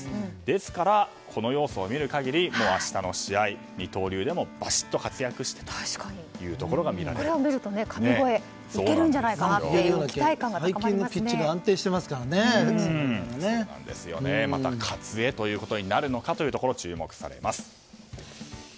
ですから、この要素を見る限り明日の試合、二刀流でもバシッと活躍してというところが神超えいけるんじゃないかという最近のピッチはまた「かつエ」になるのかというところ注目されます。